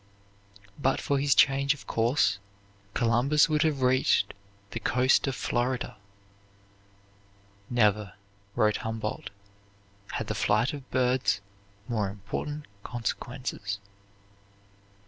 But for his change of course Columbus would have reached the coast of Florida. "Never," wrote Humboldt, "had the flight of birds more important consequences."